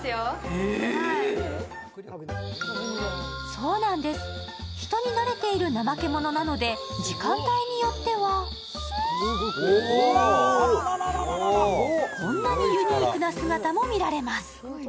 そうなんです、人に慣れているナマケモノなので、時間帯によってはこんなにユニークな姿も見られます。